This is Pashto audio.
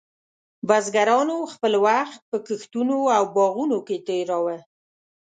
بزګرانو خپل وخت په کښتونو او باغونو کې تېراوه.